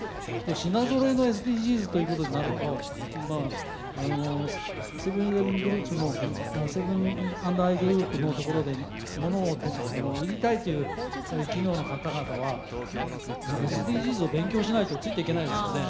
品ぞろえのＳＤＧｓということになるとセブン＆アイグループのところでものを売りたいという企業の方々はもうＳＤＧｓを勉強しないとついていけないですよね。